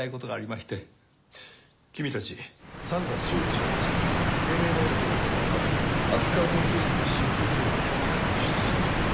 君たち３月１１日慶明大学で行われた秋川研究室のシンポジウムに出席してるよね？